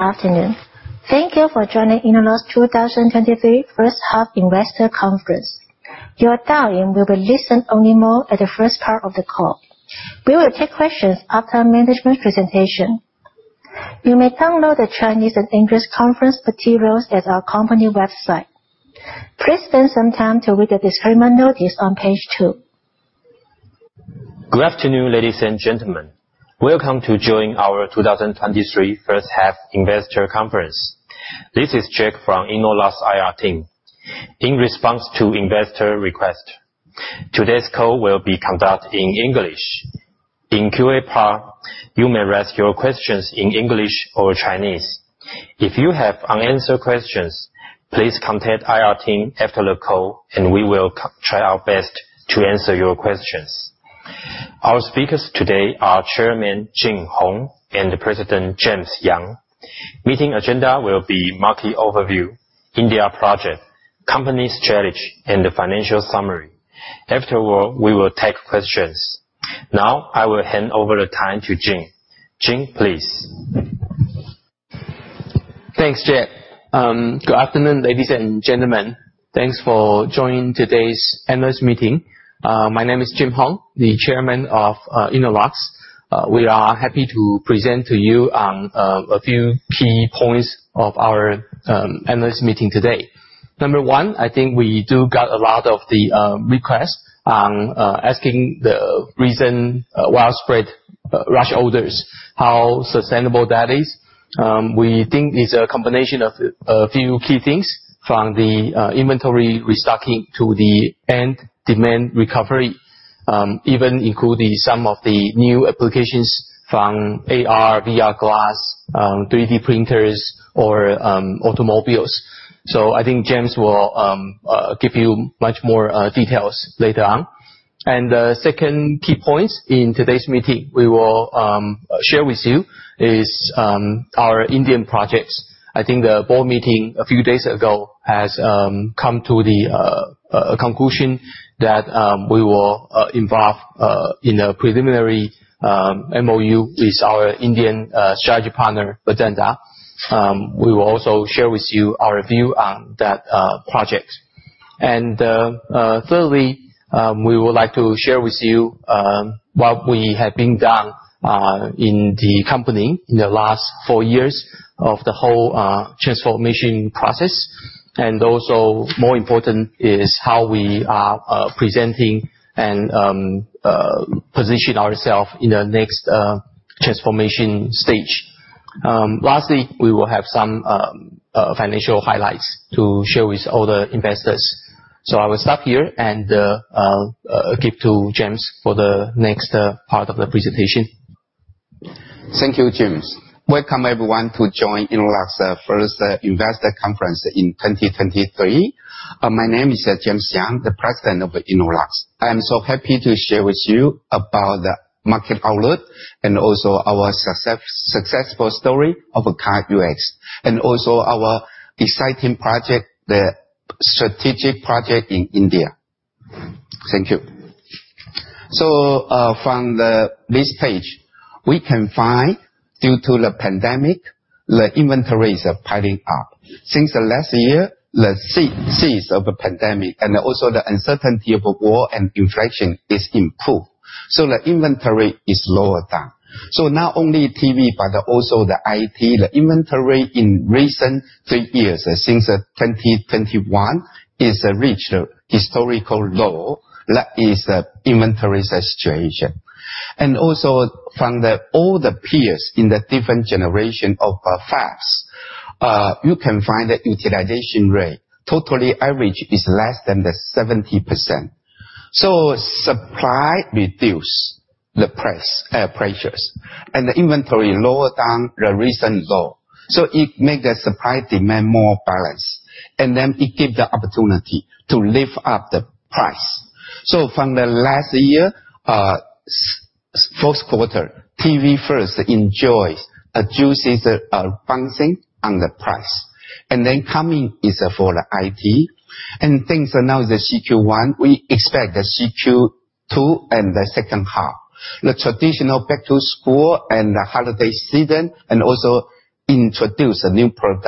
Afternoon. Thank you for joining Innolux 2023 first half investor conference. Your dial-in will be listen-only mode at the first part of the call. We will take questions after management presentation. You may download the Chinese and English conference materials at our company website. Please spend some time to read the disclaimer notice on page two. Good afternoon, ladies and gentlemen. Welcome to joining our 2023 first half investor conference. This is Jake from Innolux IR team. In response to investor request, today's call will be conducted in English. In QA part, you may ask your questions in English or Chinese. If you have unanswered questions, please contact IR team after the call. We will try our best to answer your questions. Our speakers today are Chairman Jim Hung and President James Yang. Meeting agenda will be market overview, India project, company strategy, and the financial summary. Afterward, we will take questions. Now, I will hand over the time to Jim. Jim, please. Thanks, Jake. Good afternoon, ladies and gentlemen. Thanks for joining today's analyst meeting. My name is Jim Hung, the chairman of Innolux. We are happy to present to you a few key points of our analyst meeting today. Number one, I think we do got a lot of the requests asking the recent widespread rush orders, how sustainable that is. We think it's a combination of a few key things, from the inventory restocking to the end demand recovery, even including some of the new applications from AR, VR glass, 3D printers or automobiles. I think James will give you much more details later on. The second key points in today's meeting we will share with you is our Indian projects. I think the board meeting a few days ago has come to the conclusion that we will involve in a preliminary MOU with our Indian strategy partner, Vedanta. We will also share with you our view on that project. Thirdly, we would like to share with you what we have been done in the company in the last four years of the whole transformation process. More important is how we are presenting and position ourself in the next transformation stage. Lastly, we will have some financial highlights to share with all the investors. I will stop here and give to James for the next part of the presentation. Thank you, James. Welcome everyone to join Innolux, first investor conference in 2023. My name is James Yang, the President of Innolux. I am so happy to share with you about the market outlook and also our successful story of CarUX, and also our exciting project, the strategic project in India. Thank you. From the this page, we can find due to the pandemic, the inventories are piling up. Since the last year, the cease of the pandemic and also the uncertainty of war and inflation is improved, so the inventory is lower down. Not only TV, but also the IT. The inventory in recent three years since 2021 is reached a historical low. That is, inventory situation. Also from the all the peers in the different generation of fabs, you can find the utilization rate totally average is less than the 70%. Supply reduce the pressures and the inventory lower down the recent low. It make the supply/demand more balanced, it give the opportunity to lift up the price. From the last year, fourth quarter, TV first enjoys a juices bouncing on the price. Coming is for the IT. Things are now the CQ1. We expect the CQ2 and the second half. The traditional back to school and the holiday season, and also introduce a new product.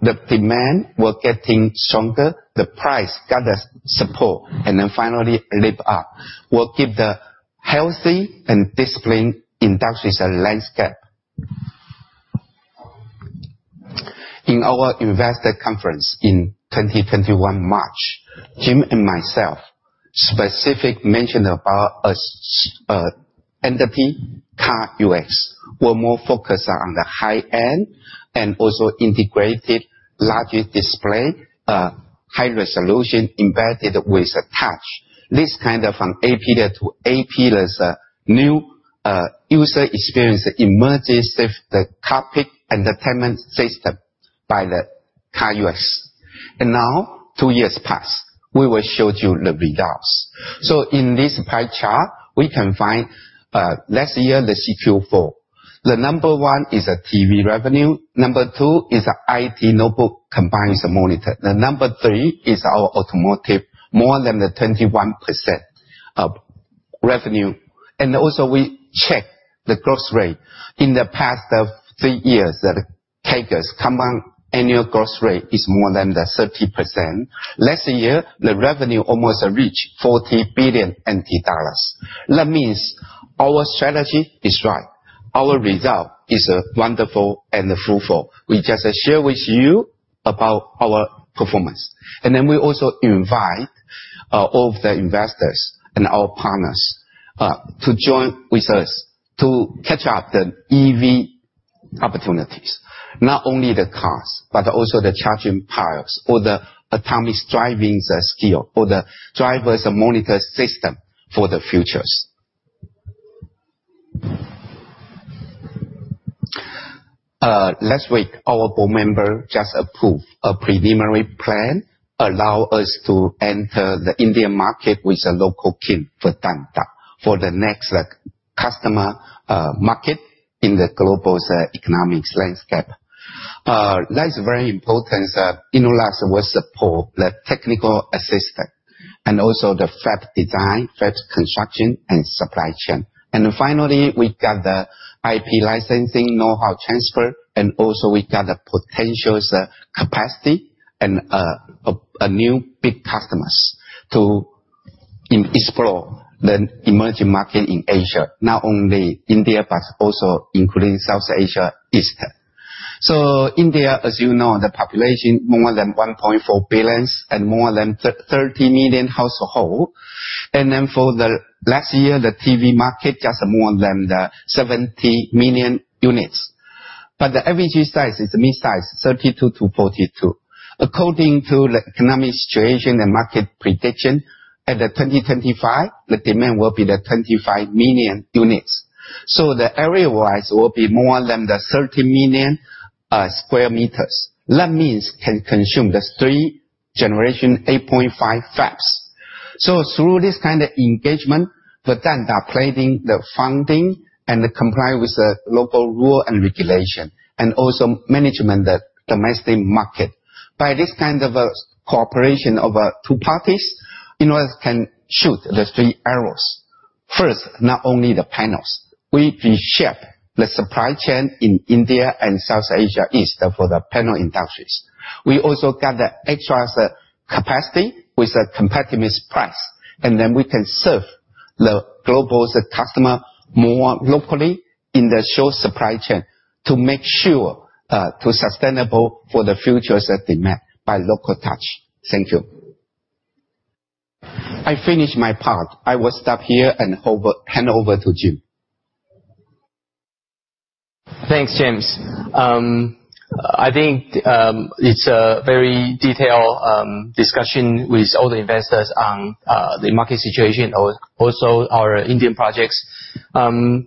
The demand was getting stronger. The price got the support, finally lift up, will give the healthy and disciplined industries a landscape. In our investor conference in 2021 March, Jim and myself specific mentioned about us, entropy CarUX. We're more focused on the high end and also integrated larger display, high resolution embedded with a touch. This kind of from AP to AP is a new user experience emerges with the cockpit entertainment system by the CarUX. Now two years passed, we will show you the results. In this pie chart, we can find last year the CQ4. The number one is TV revenue. Number two is IT notebook combines the monitor. The number three is our automotive, more than the 21% of revenue. Also we check the growth rate. In the past three years, the CAGRs compound annual growth rate is more than the 30%. Last year, the revenue almost reached 40 billion NT dollars. That means our strategy is right. Our result is wonderful and fruitful. We just share with you about our performance. We also invite all of the investors and our partners to join with us to catch up the EV opportunities, not only the cars, but also the charging piles or the autonomous driving skill or the driver monitoring system for the futures. Last week, our board member just approved a preliminary plan allow us to enter the Indian market with a local king, Vedanta, for the next customer market in the global economic landscape. That is very important. Innolux will support the technical assistant and also the fab design, fab construction, and supply chain. Finally, we got the IP licensing know-how transfer, also we got the potential capacity and a new big customers to explore the emerging market in Asia, not only India, but also including South Asia, East. India, as you know, the population more than 1.4 billion and more than 30 million household. For the last year, the TV market just more than 70 million units. The average size is midsize, 32 million units-42 million units. According to the economic situation and market prediction at 2025, the demand will be 25 million units. The area-wise will be more than 30 million square meters. That means can consume the 3 Gen 8.5 fabs. Through this kind of engagement, Vedanta planning the funding and comply with the local rule and regulation, also management the domestic market. By this kind of cooperation of two parties, Innolux can shoot the three arrows. First, not only the panels. We reshape the supply chain in India and South Asia East for the panel industries. We also got the extra capacity with a competitive price, and then we can serve the global customer more locally in the short supply chain to make sure to sustainable for the future demand by local touch. Thank you. I finish my part. I will stop here and hand over to Jim. Thanks, James. I think it's a very detailed discussion with all the investors on the market situation or also our Indian projects. From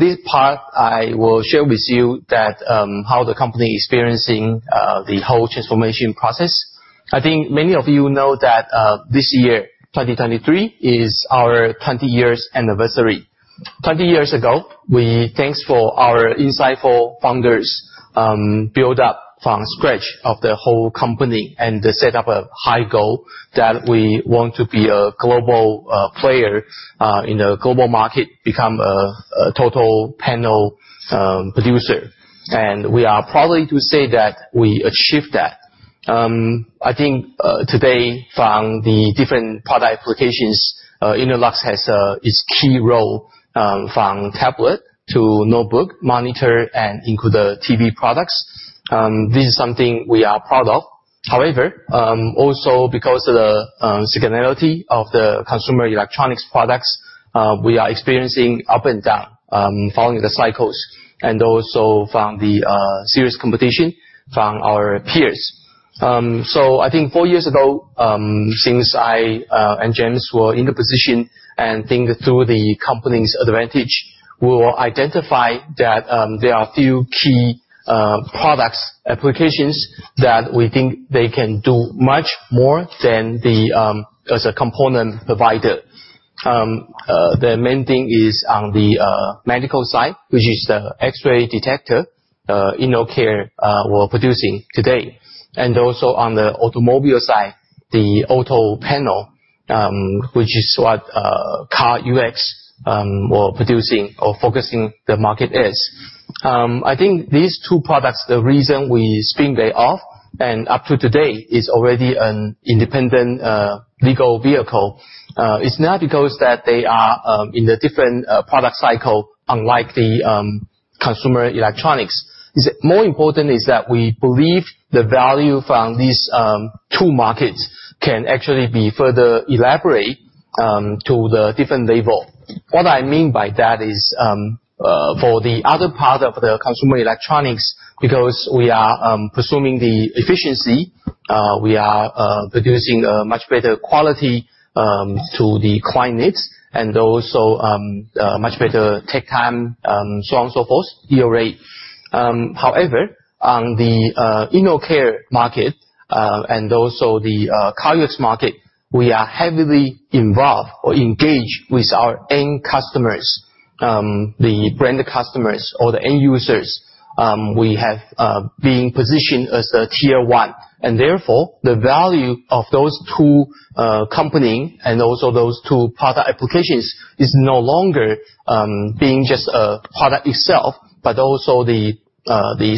this part, I will share with you that how the company is experiencing the whole transformation process. I think many of you know that this year, 2023, is our 20 years anniversary. 20 years ago, we thanks for our insightful founders, build up from scratch of the whole company and set up a high goal that we want to be a global player in the global market, become a total panel producer. We are proud to say that we achieve that. I think today, from the different product applications, Innolux has its key role from tablet to notebook, monitor, and including the TV products. This is something we are proud of. Also because of the seasonality of the consumer electronics products, we are experiencing up and down following the cycles, and also from the serious competition from our peers. I think four years ago, since I and James were in the position and think through the company's advantage, we will identify that there are few key products applications that we think they can do much more than the as a component provider. The main thing is on the medical side, which is the X-ray detector, InnoCare, we're producing today. Also on the automobile side, the auto panel, which is what CarUX we're producing or focusing the market is. I think these two products, the reason we spin they off and up to today is already an independent legal vehicle, is not because that they are in a different product cycle, unlike the consumer electronics. Is it more important is that we believe the value from these two markets can actually be further elaborate to the different level. What I mean by that is, for the other part of the consumer electronics, because we are pursuing the efficiency, we are producing a much better quality to the client needs and also much better take time, so on, so forth, error rate. On the InnoCare market, and also the CarUX market, we are heavily involved or engaged with our end customers. The brand customers or the end users, we have being positioned as a Tier 1, and therefore the value of those two company and also those two product applications is no longer being just a product itself, but also the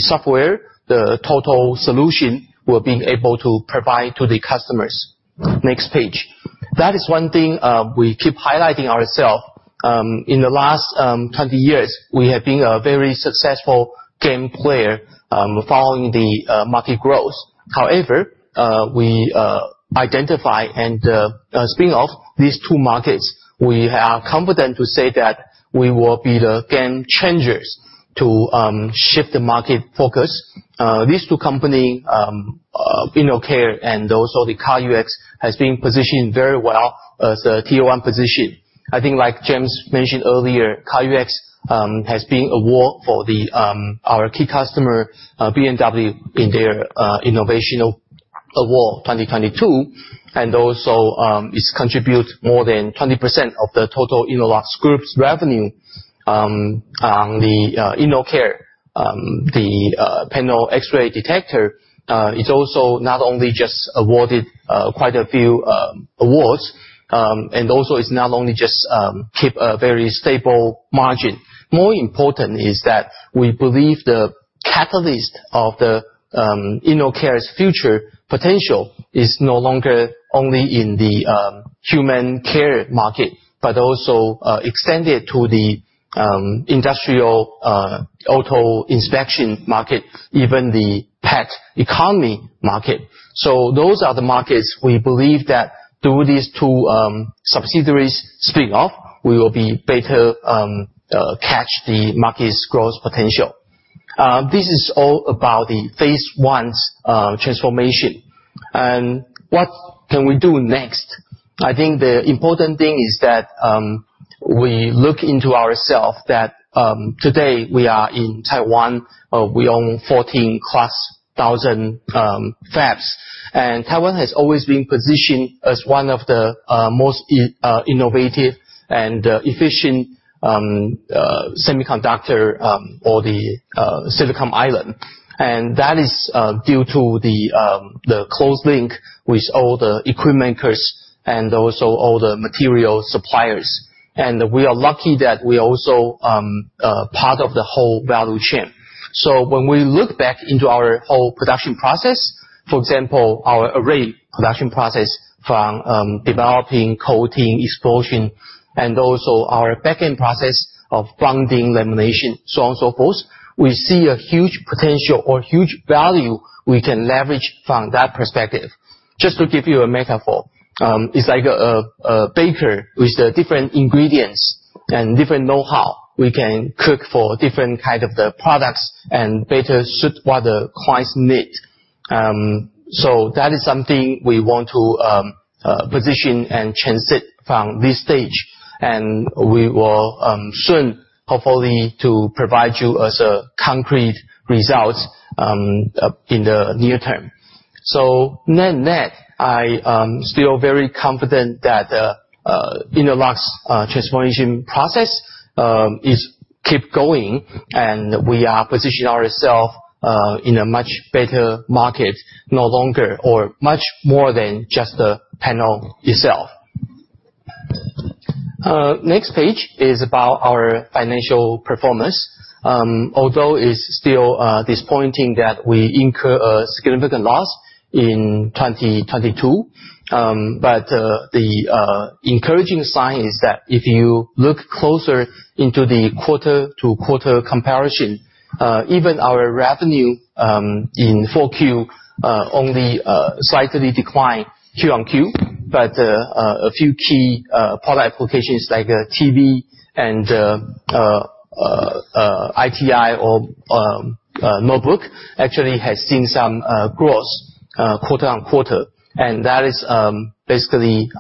software, the total solution we're being able to provide to the customers. Next page. That is one thing we keep highlighting ourself. In the last 20 years, we have been a very successful game player, following the market growth. We identify and spin off these two markets. We are confident to say that we will be the game changers to shift the market focus. These two company, InnoCare and also the CarUX has been positioned very well as a Tier 1 position. I think like James mentioned earlier, CarUX has been award for the our key customer, BMW in their innovational award 2022, and also it's contribute more than 20% of the total Innolux group's revenue. On the InnoCare, the panel X-ray detector is also not only just awarded quite a few awards, and also is not only just keep a very stable margin. More important is that we believe the catalyst of the InnoCare's future potential is no longer only in the human care market, but also extended to the industrial auto inspection market, even the pet economy market. Those are the markets we believe that through these two subsidiaries spin-off, we will be better catch the market's growth potential. This is all about the phase I transformation. What can we do next? I think the important thing is that we look into ourself that today we are in Taiwan. We own 14,000+ fabs. Taiwan has always been positioned as one of the most innovative and efficient semiconductor or the Silicon Island. That is due to the close link with all the equipment makers and also all the material suppliers. We are lucky that we also part of the whole value chain. When we look back into our whole production process, for example, our array production process from developing, coating, exposure, and also our back-end process of bonding, lamination, so on and so forth, we see a huge potential or huge value we can leverage from that perspective. Just to give you a metaphor, it's like a baker with different ingredients and different know-how. We can cook for different kind of the products and better suit what the clients need. That is something we want to position and transit from this stage, and we will soon hopefully to provide you as a concrete result in the near term. Net net, I am still very confident that Innolux transformation process is keep going, and we are position ourself in a much better market, no longer or much more than just the panel itself. Next page is about our financial performance. Although it's still disappointing that we incur a significant loss in 2022, but the encouraging sign is that if you look closer into the quarter-to-quarter comparison, even our revenue in 4Q only slightly declined Q on Q. A few key product applications like TV and IT or notebook actually has seen some growth quarter on quarter. That is basically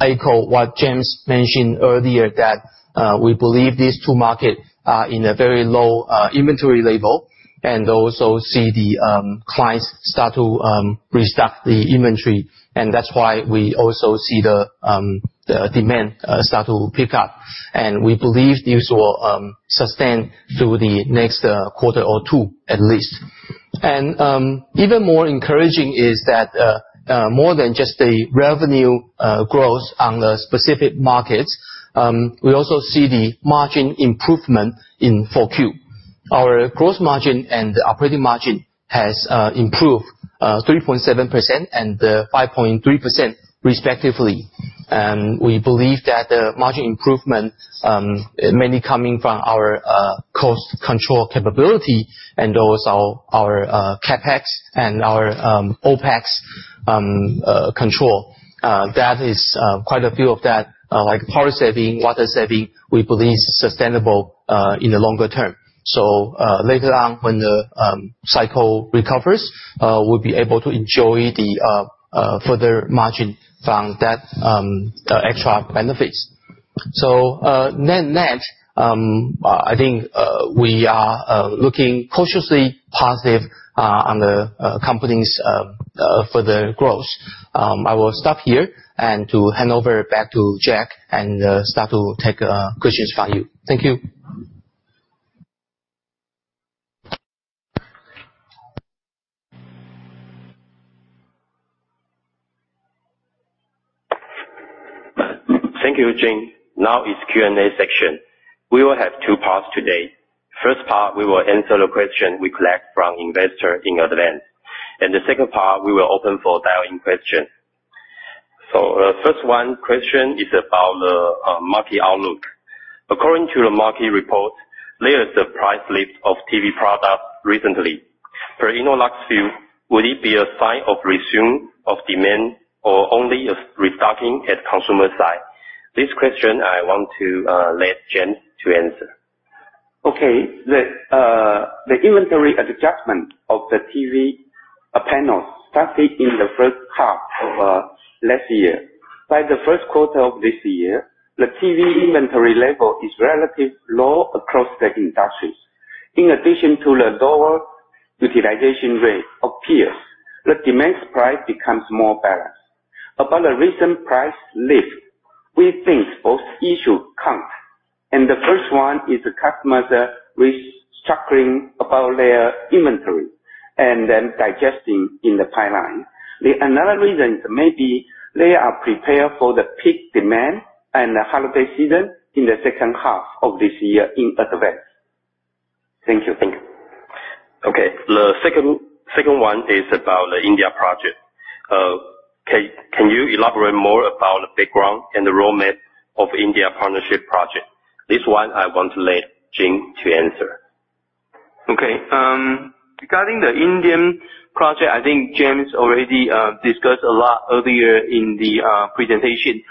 echo what James mentioned earlier, that we believe these two market are in a very low inventory level and also see the clients start to restock the inventory. That's why we also see the demand start to pick up. We believe this will sustain through the next quarter or two quarters at least. Even more encouraging is that more than just the revenue growth on the specific markets, we also see the margin improvement in CQ4. Our gross margin and operating margin has improved 3.7% and 5.3% respectively. We believe that the margin improvement mainly coming from our cost control capability and also our CapEx and our OpEx control. That is quite a few of that, like power saving, water saving, we believe sustainable in the longer term. Later on when the cycle recovers, we'll be able to enjoy the further margin from that extra benefits. Net net, I think we are looking cautiously positive on the company's further growth. I will stop here and to hand over back to Jake and start to take questions from you. Thank you. Thank you, Jim. Now is Q&A section. We will have two parts today. First part, we will answer the question we collect from investor in advance. The second part, we will open for dial-in question. First one question is about the market outlook. According to the market report, there is a price list of TV product recently. Per Innolux view, would it be a sign of resume of demand or only of restocking at consumer side? This question I want to let James to answer. Okay. The inventory adjustment of the TV panels started in the first half of last year. By the first quarter of this year, the TV inventory level is relatively low across the industries. In addition to the lower utilization rate of peers, the demand price becomes more balanced. Upon the recent price list, we think both issues count. The first one is the customer restructuring about their inventory and then digesting in the pipeline. Another reason is maybe they are prepared for the peak demand and the holiday season in the second half of this year in advance. Thank you. Thank you. Okay, the second one is about the India project. Can you elaborate more about the background and the roadmap of India partnership project? This one I want to let Jim to answer. Okay. Regarding the Indian project, I think James already discussed a lot earlier in the presentation.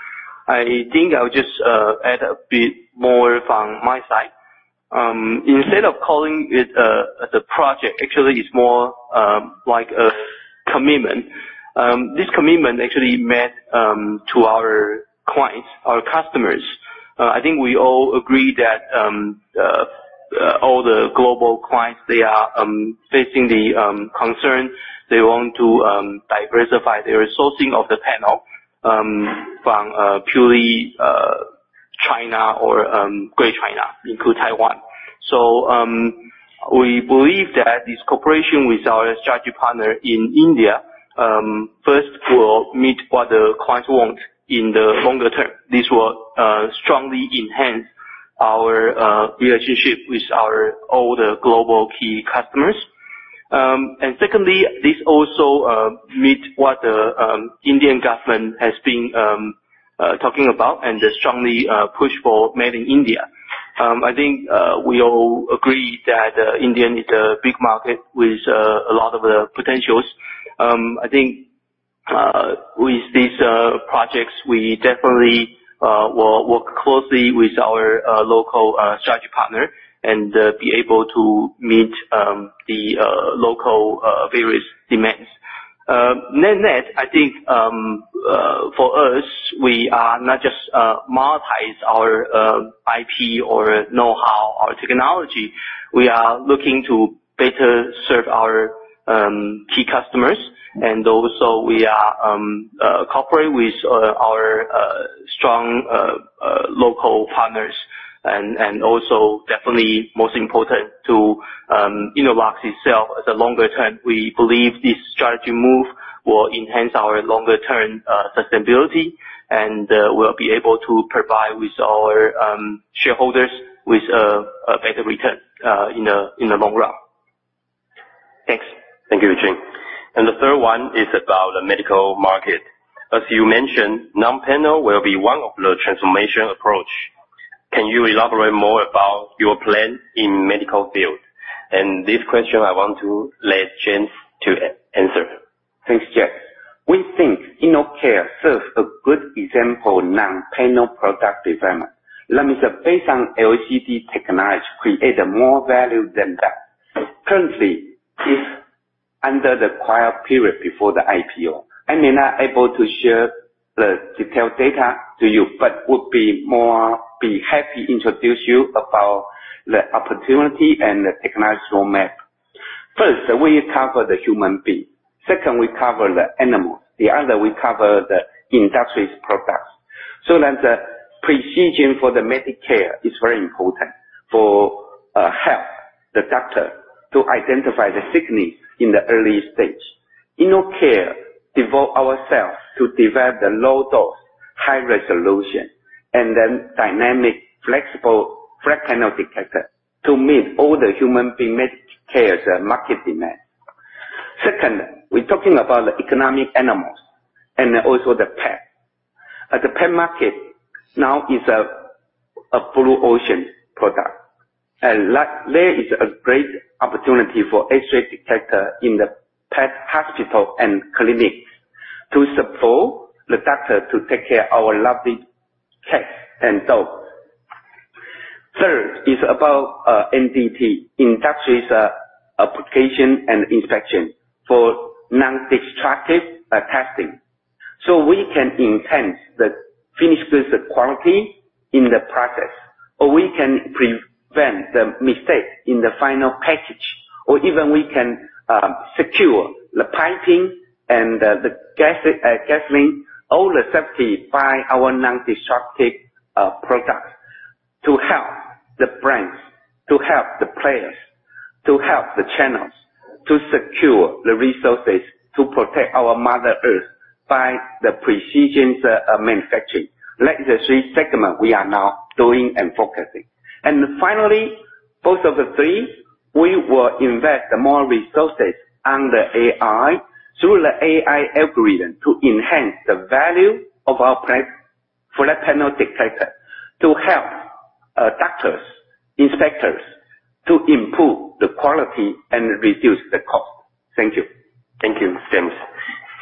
I think I'll just add a bit more from my side. Instead of calling it a project, actually it's more like a commitment. This commitment actually made to our clients, our customers. I think we all agree that all the global clients, they are facing the concern. They want to diversify their sourcing of the panel from purely China or Great China, include Taiwan. We believe that this cooperation with our strategic partner in India first will meet what the clients want in the longer term. This will strongly enhance our relationship with our older global key customers. Secondly, this also meet what the Indian government has been talking about and they strongly push for Make in India. I think we all agree that India is a big market with a lot of potentials. I think with these projects, we definitely will work closely with our local strategic partner and be able to meet the local various demands. Net-net, I think for us, we are not just monetize our IP or know-how, our technology. We are looking to better serve our key customers. Also we are cooperate with our strong local partners and also definitely most important to Innolux itself. At the longer term, we believe this strategy move will enhance our longer-term, sustainability, and we'll be able to provide with our shareholders with a better return in the long run. Thanks. Thank you, Jim. The third one is about the medical market. As you mentioned, non-panel will be one of the transformation approach. Can you elaborate more about your plan in medical field? This question I want to let James to answer. Thanks, Jeff. We think InnoCare serves a good example non-panel product development. That means based on LCD technology, create more value than that. Currently, it's under the quiet period before the IPO. I may not able to share the detailed data to you, but would be more, be happy introduce you about the opportunity and the technological map. First, we cover the human being. Second, we cover the animal. The other, we cover the industries products. The precision for the Medicare is very important for help the doctor to identify the sickness in the early stage. InnoCare devote ourselves to develop the low dose, high resolution, and then dynamic flexible flat panel detector to meet all the human being Medicare's market demand. Second, we're talking about the economic animals and also the pet. At the pet market now is a blue ocean product. There is a great opportunity for X-ray detector in the pet hospital and clinic to support the doctor to take care our lovely cats and dogs. Third is about NDT, industries, application and inspection for nondestructive testing. We can enhance the finished goods quality in the process, or we can prevent the mistake in the final package. Even we can secure the piping and the gas, gasoline, all the safety by our nondestructive product. To help the brands, to help the players, to help the channels, to secure the resources, to protect our Mother Earth by the precisions of manufacturing. Like the three segment we are now doing and focusing. Finally, both of the three, we will invest more resources on the AI through the AI algorithm to enhance the value of our brand for flat panel detector, to help doctors, inspectors, to improve the quality and reduce the cost. Thank you. Thank you, James.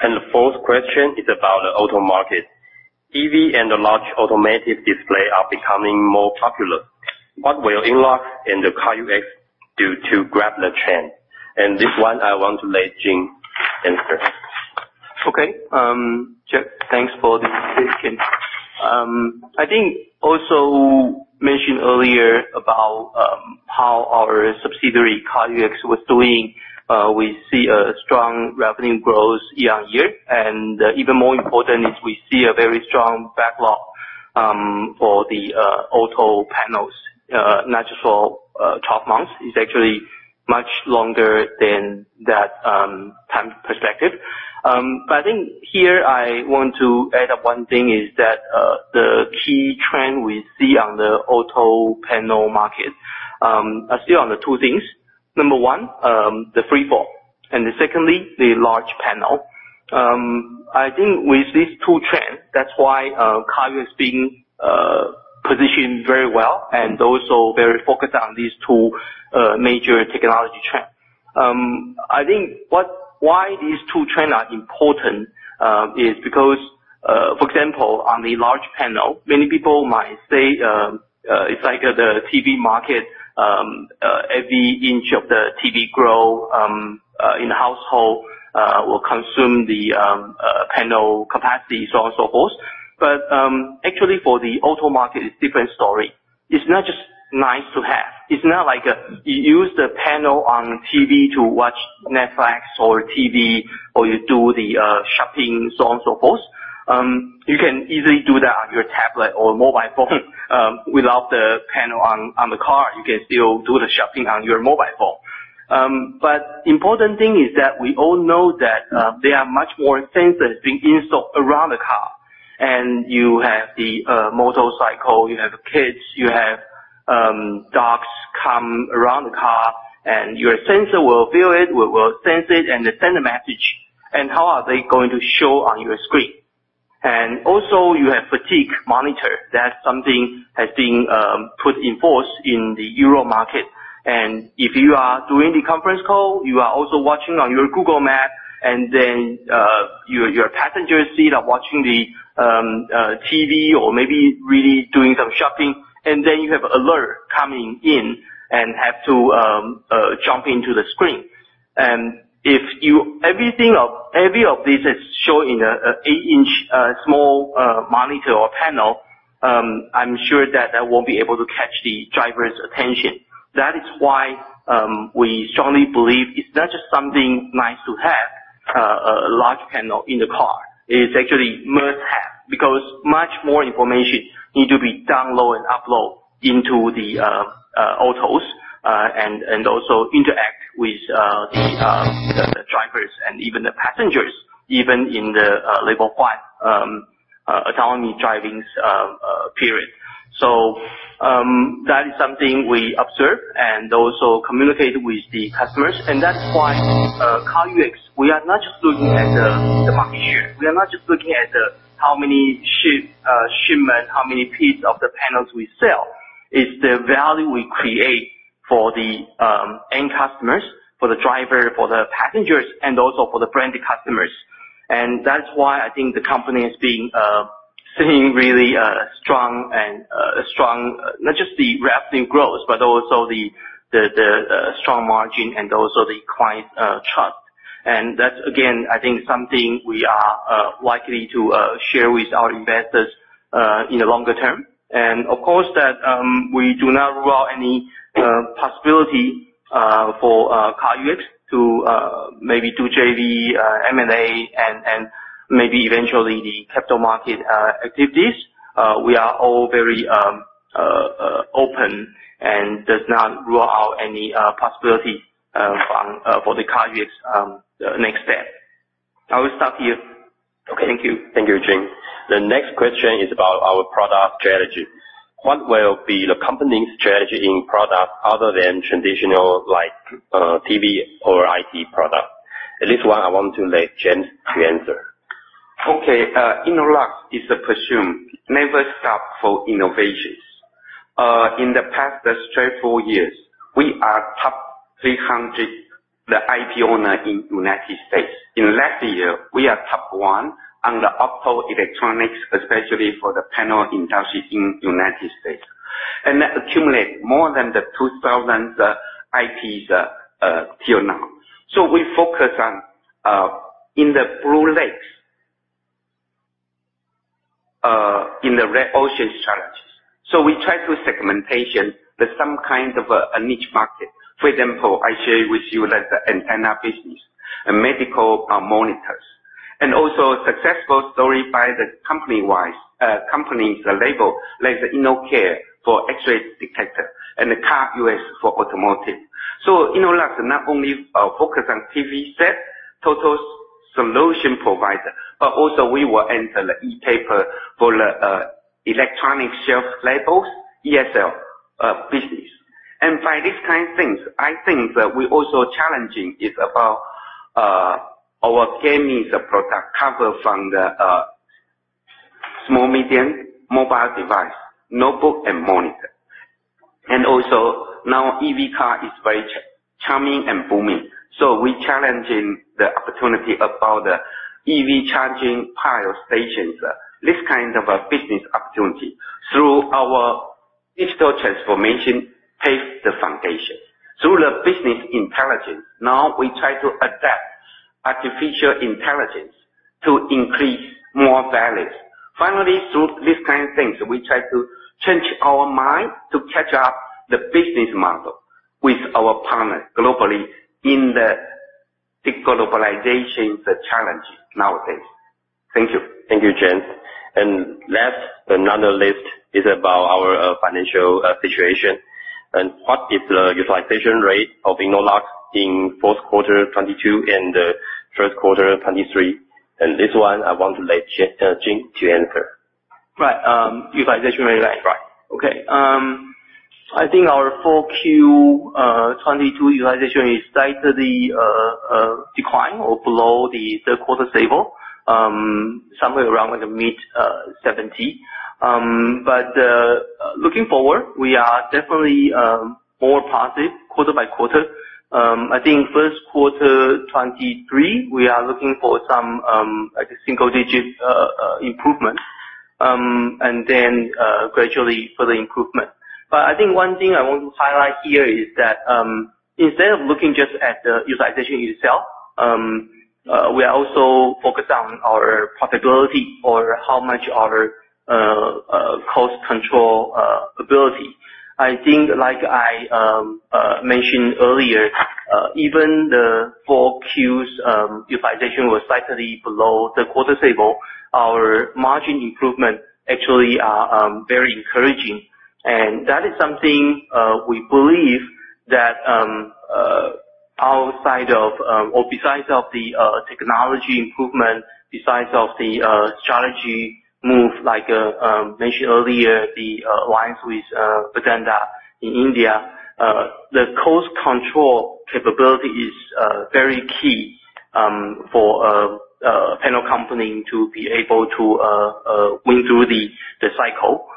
The fourth question is about the auto market. EV and the large automotive display are becoming more popular. What will Innolux and the CarUX do to grab the trend? This one I want to let Jim answer. Okay. Jeff, thanks for this question. I think also mentioned earlier about how our subsidiary, CarUX, was doing. We see a strong revenue growth year-on-year, and even more important is we see a very strong backlog for the auto panels, not just for 12 months. It's actually much longer than that, time perspective. I think here I want to add up one thing is that the key trend we see on the auto panel market are still on the two things. Number one, the freeform, and secondly, the large panel. I think with these two trends, that's why CarUX being positioned very well and also very focused on these two major technology trends. I think why these two trends are important is because, for example, on the large panel, many people might say, it's like the TV market, every inch of the TV grow in the household will consume the panel capacity, so on, so forth. Actually, for the auto market, it's different story. It's not just nice to have. It's not like, you use the panel on TV to watch Netflix or TV, or you do the shopping, so on and so forth. You can easily do that on your tablet or mobile phone, without the panel on the car. You can still do the shopping on your mobile phone. Important thing is that we all know that there are much more sensors being installed around the car. You have the motorcycle, you have kids, you have dogs come around the car, your sensor will feel it, will sense it, and they send a message, how are they going to show on your screen? Also you have fatigue monitor. That's something has been put in force in the Euro market. If you are doing the conference call, you are also watching on your Google Maps, your passenger seat are watching the TV or maybe really doing some shopping, you have alert coming in and have to jump into the screen. If every of this is shown in an 8-inch small monitor or panel, I'm sure that won't be able to catch the driver's attention. That is why we strongly believe it's not just something nice to have a large panel in the car. It's actually must have, because much more information need to be download and upload into the autos and also interact with the drivers and even the passengers, even in the Level 5 autonomy driving's period. That is something we observe and also communicate with the customers. That's why CarUX, we are not just looking at the market share. We are not just looking at how many shipment, how many piece of the panels we sell. It's the value we create for the end customers, for the driver, for the passengers, and also for the branded customers. That's why I think the company is being sitting really strong, not just the revenue growth, but also the strong margin and also the client trust. That's again, I think something we are likely to share with our investors in the longer term. Of course that we do not rule out any possibility for CarUX to maybe do JV, M&A and maybe eventually the capital market activities. We are all very open and does not rule out any possibility for the CarUX next step. I will stop here. Okay. Thank you. Thank you, Jim. The next question is about our product strategy. What will be the company's strategy in product other than traditional, like, TV or IT product? This one I want to let James to answer. Innolux is a presume never stop for innovations. In the past straightforward years, we are top 300, the IP owner in United States. In last year, we are top one on the Opto Electronics, especially for the panel industry in United States. That accumulate more than the 2,000 IPs, till now. We focus on in the blue ocean, in the red ocean challenges. We try to segmentation the some kind of a niche market. For example, I share with you that antenna business, a medical, monitor. Also successful story by the company wise, company's label, like the InnoCare for X-ray detector and the CarUX for automotive. Innolux not only focus on TV set total solution provider, but also we will enter the e-paper for the electronic shelf labels, ESL, business. By these kind of things, I think that we also challenging is about our Kymeta's product cover from the small medium mobile device, notebook and monitor. Also now EV car is very charming and booming. We challenging the opportunity about the EV charging pile stations. This kind of a business opportunity through our digital transformation pave the foundation. Through the business intelligence, now we try to adapt artificial intelligence to increase more values. Finally, through this kind of things, we try to change our mind to catch up the business model with our partners globally in the de-globalization, the challenge nowadays. Thank you. Thank you, James. Last, another list is about our financial situation. What is the utilization rate of Innolux in fourth quarter 2022 and first quarter 2023? This one I want to let Jim to answer. Right. utilization rate, right. Right. Okay. I think our full Q 22 utilization is slightly decline or below the third quarter stable, somewhere around the mid 70%. Looking forward, we are definitely more positive quarter by quarter. I think first quarter 23, we are looking for some like a single digit improvement, gradually further improvement. I think one thing I want to highlight here is that instead of looking just at the utilization itself, we are also focused on our profitability or how much our cost control ability. I think like I mentioned earlier, even the full Q's utilization was slightly below the quarter stable, our margin improvement actually are very encouraging. That is something, we believe that, outside of, or besides of the technology improvement, besides of the strategy move, like, mentioned earlier, the alliance with Vedanta in India. The cost control capability is very key for panel company to be able to win through the cycle.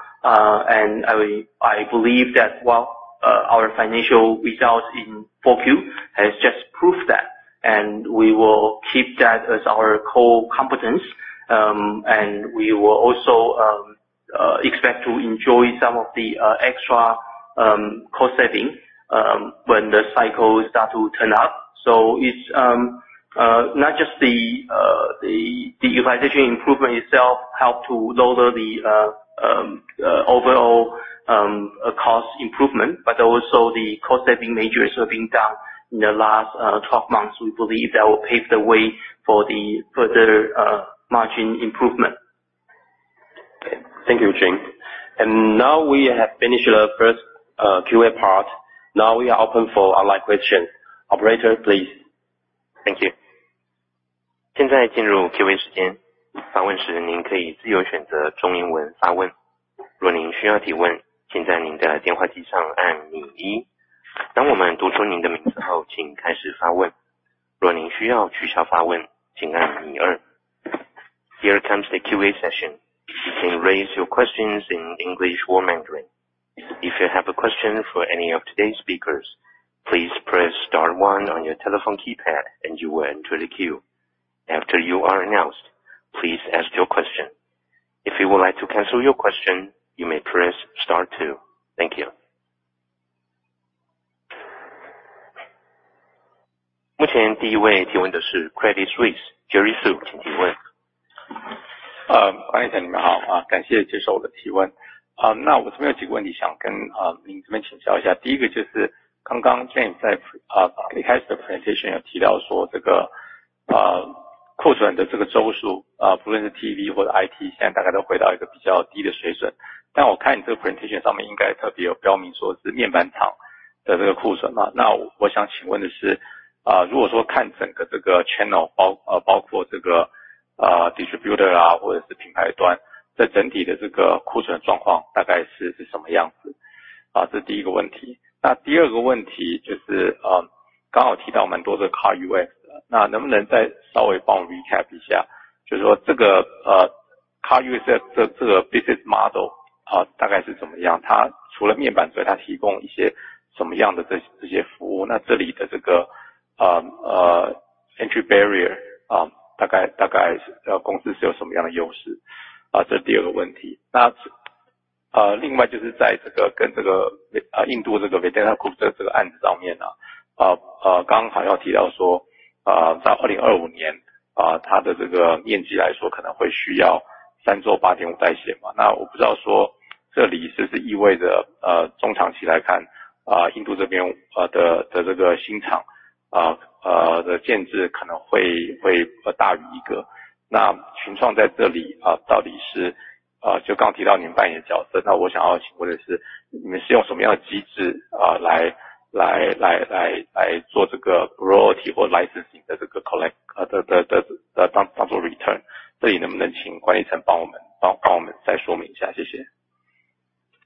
I believe that well, our financial results in full Q has just proved that, and we will keep that as our core competence. We will also, expect to enjoy some of the extra cost saving when the cycle start to turn up. It's not just the utilization improvement itself help to lower the overall cost improvement, but also the cost saving measures have been done in the last 12 months. We believe that will pave the way for the further margin improvement. Okay. Thank you, Jim. Now we have finished the first QA part. Now we are open for online question. Operator, please. Thank you. Here comes the QA session. You can raise your questions in English or Mandarin. If you have a question for any of today's speakers, please press star one on your telephone keypad and you will enter the queue. After you are announced, please ask your question. If you would like to cancel your question, you may press star two. Thank you. Credit Suisse, Jerry Su. Uh, 这里是不是意味 着， 中长期来 看， India 这 边， 这个新 厂， 的建制可能会大于 one？ 那 Innolux 在这 里， 到底 是， 就刚刚提到您扮演的角 色？ 那我想要请问的 是， 你们是用什么样的机制，来做这个 royalty 或 licensing 的这个 collect， 当做 return？ 这里能不能请管理层帮我 们， 帮我们再说明一 下？ 谢谢。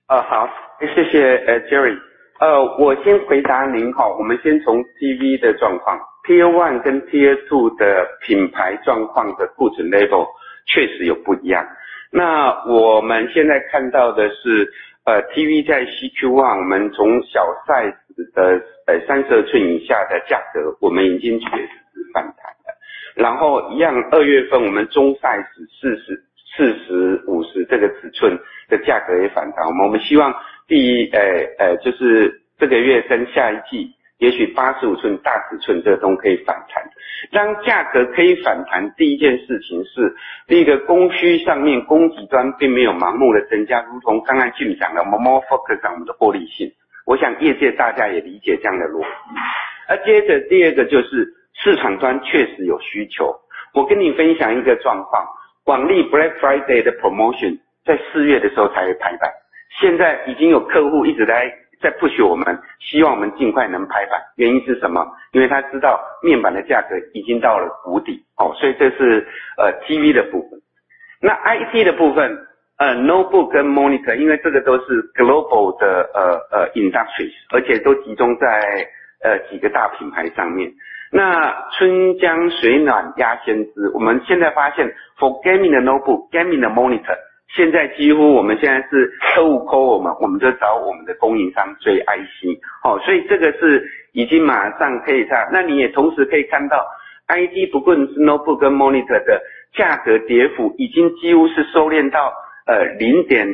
呃， 好， 谢 谢， 呃 ，Jerry。呃， 我先回答您 吼， 我们先从 TV 的状况。Tier one 跟 tier two 的品牌状况的库存 level 确实有不一 样， 那我们现在看到的 是， 呃 ，TV 在 CQ one， 我们从小 size 的， 呃， 三十寸以下的价 格， 我们已经确实反弹了。然后一样二月份我们中 size，四 十、四十、五十这个尺寸的价格也反弹了。我们希望 第， 呃， 呃， 就是这个月跟下一季，也许八十五寸大尺寸这都可以反弹。当价格可以反弹第一件事情 是， 第一个供需上面 ，供 给端并没有盲目的增 加， 如同刚才 Jimmy 讲 的， 我们 more focus 在我们的获利 性， 我想业界大家也理解这样的逻辑。而接着第二个就是市场端确实有需求。我跟你分享一个状 况， 广利 Black Friday 的 promotion 在四月的时候才会排 版， 现在已经有客户一直在，在 push 我 们， 希望我们尽快能排 版， 原因是什 么？ 因为他知道面板的价格已经到了谷 底， 哦， 所以这 是， 呃 ，TV 的部分。那 IT 的部 分， 呃 ，notebook 跟 monitor， 因为这个都是 global 的， 呃， 呃 ，industries， 而且都集中 在， 呃， 几个大品牌上面。那春江水暖鸭先 知， 我们现在发现 for gaming 的 notebook，gaming 的 monitor， 现在几乎我们现在是 cover call 我 们， 我们就找我们的供应商追 IC， 哦， 所以这个是已经马上可以上。那你也同时可以看到 ，IT 部分 notebook 跟 monitor 的价格跌幅已经几乎是收敛 到， 呃， 零点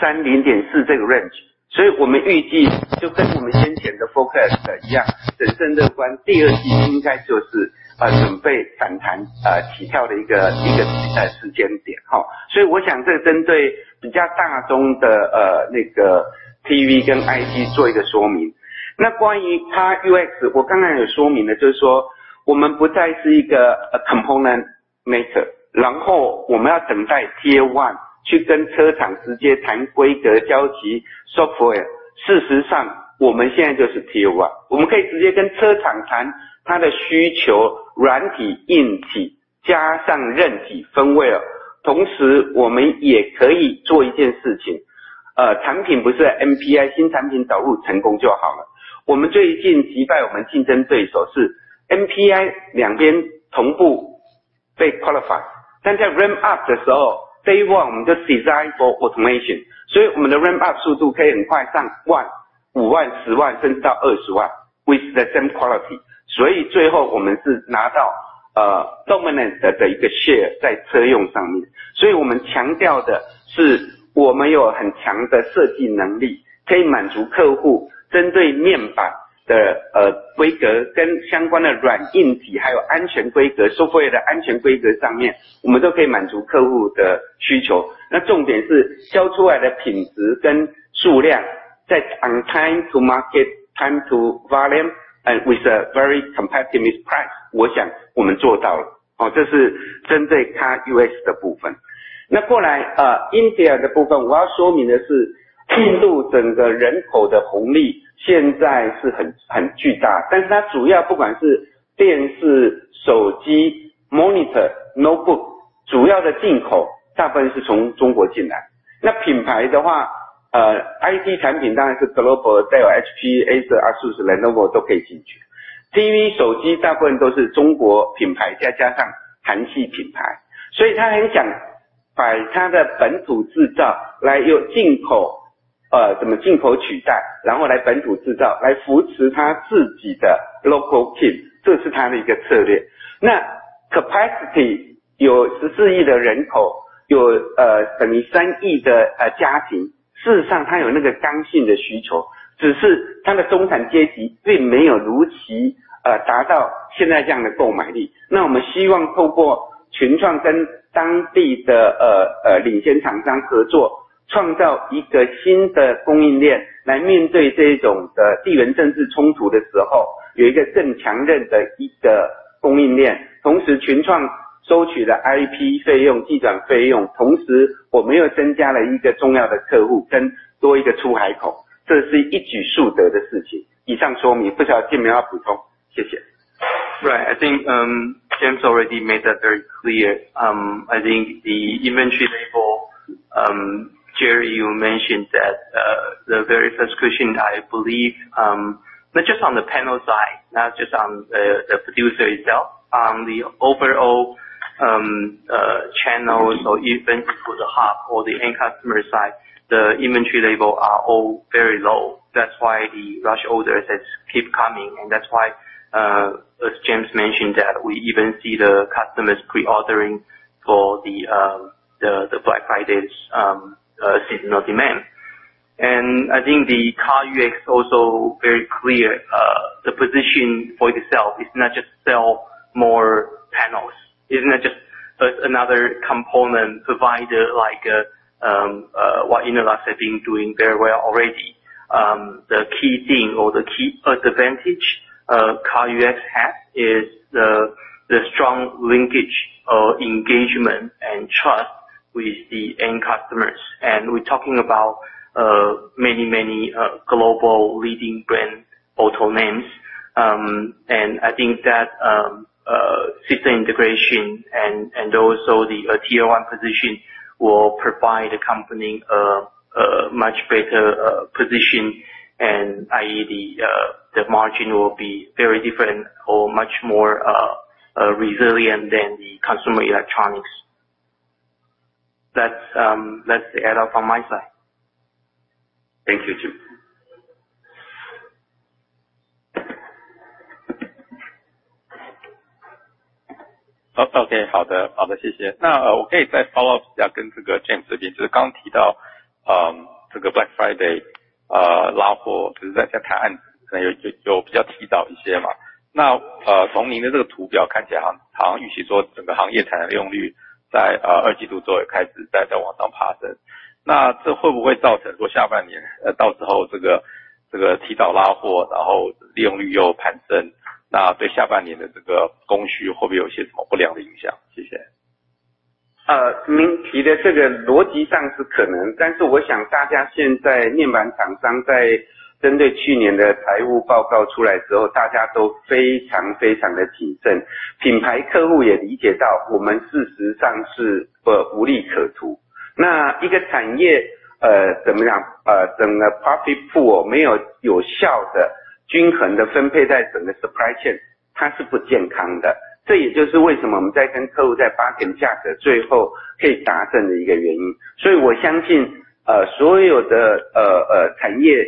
三、零点四这个 range， 所以我们预计就跟我们先前的 focus 一 样， 很乐 观， 第二季应该就 是， 呃， 准备反 弹， 呃， 起跳的一 个， 一 个， 呃， 时间 点， 吼。所以我想这针对比较大宗 的， 呃， 那个 TV 跟 IT 做一个说明。那关于 car UX， 我刚才有说明 了， 就是说我们不再是一 个， 呃 ，component maker， 然后我们要等待 tier one 去跟车厂直接谈规格、交期、software。事实上我们现在就是 tier one， 我们可以直接跟车厂谈他的需求、软体、硬 体， 加上韧体 firmware。同时我们也可以做一件事 情， 呃， 产品不是 NPI， 新产品导入成功就好了。我们最近击败我们竞争对手是 NPI 两边同步被 qualified， 但在 ramp up 的时候 ，day one 我们就 design for automation， 所以我们的 ramp up 速度可以很快上万、五万、十 万， 甚至到二十万 ，with the same quality， 所以最后我们是拿 到， 呃 ，dominance 的一个 share 在车用上面。所以我们强调的是我们有很强的设计能 力， 可以满足客 户， 针对面板 的， 呃， 规 格， 跟相关的软硬 体， 还有安全规格 ，software 的安全规格上 面， 我们都可以满足客户的需求。那重点是销出来的品质跟数 量， 在 on time to market，time to volume and with a very competitive price， 我想我们做到 了， 哦， 这是针对 car UX 的部分。那后 来， 呃 ，India 的部 分， 我要说明的 是， 印度整个人口的红利现在是很-很巨 大， 但是它主要不管是电视、手机、monitor、notebook， 主要的进口大部分是从中国进来。那品牌的 话， 呃 ，IT 产品当然是 global， 带有 HP、Acer、Asus、Lenovo 都可以进去。TV、手机大部分都是中国品 牌， 再加上韩系品 牌， 所以他很想把他的本土制造来用进 口， 呃， 什么进口取 代， 然后来本土制 造， 来扶持他自己的 local team， 这是他的一个策略。那 capacity 有十四亿的人 口， 有， 呃， 等于三亿 的， 呃， 家庭，事实上他有那个刚性的需 求， 只是他的中产阶级并没有如 期， 呃， 达到现在这样的购买力。那我们希望透过群创跟当地 的， 呃， 呃， 领先厂商合 作， 创造一个新的供应 链， 来面对这种的地缘政治冲突的时 候， 有一个更强韧的一个供应 链， 同时群创收取了 IP 费用、技转费 用， 同时我们又增加了一个重要的客 户， 跟多一个出海 口， 这是一举数得的事情。以上说 明， 不晓得 Jimmy 要补 充， 谢谢。Right. I think James already made that very clear. I think the inventory level, Jerry you mentioned that, the very first question I believe, not just on the panel side, not just on the producer itself, the overall, channels or even to the hub or the end customer side, the inventory level are all very low. That's why the large orders has keep coming, and that's why, as James mentioned that, we even see the customers pre-ordering for the Black Friday's, seasonal demand. I think the CarUX also very clear, the position for itself is not just sell more...Isn't it just another component provider like, what Innolux have been doing very well already? The key thing or the key advantage, CarUX has is the strong linkage of engagement and trust with the end customers. We're talking about many global leading brand auto names. I think that system integration and also the Tier 1 position will provide the company a much better position and i.e. the margin will be very different or much more resilient than the consumer electronics. That's, that's the add on from my side. Thank you, Jim. OK， 好 的， 好 的， 谢谢。那我可以再 follow up 一 下， 跟这个 James 这 边， 就是刚刚提 到， 这个 Black Friday， 拉 货， 就是在像台岸可能 有， 有比较提早一些嘛。那， 从您的这个图表看起来好像预习说整个行业产能利用率在二季度左右开始再往上爬 升， 那这会不会造成说下半 年， 到时候这 个， 这个提早拉 货， 然后利用率又攀升，那对下半年的这个供需会不会有些什么不良的影 响？ 谢谢。您提的这个逻辑上是可 能， 但是我想大家现在面板厂商在针对去年的财务报告出来之 后， 大家都非常 谨慎， 品牌客户也理解到我们事实上是无利可图。那一个产业怎么 样， 整个 profit pool 没有有效地均衡地分配在整个 supply chain， 它是不健康的。这也就是为什么我们在跟客户在 bargain 价格最后可以达成的一个原因。我相信所有的产业